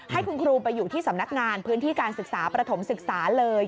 ให้คุณครูไปอยู่ที่สำนักงานพื้นที่การศึกษาประถมศึกษาเลย